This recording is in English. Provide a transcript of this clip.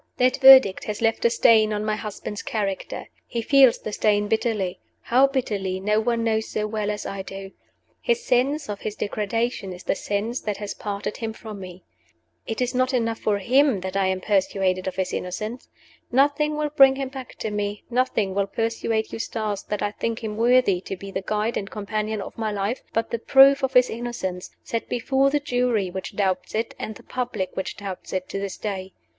That verdict has left a stain on my husband's character. He feels the stain bitterly. How bitterly no one knows so well as I do. His sense of his degradation is the sense that has parted him from me. It is not enough for him that I am persuaded of his innocence. Nothing will bring him back to me nothing will persuade Eustace that I think him worthy to be the guide and companion of my life but the proof of his innocence, set before the Jury which doubts it, and the public which doubts it, to this day.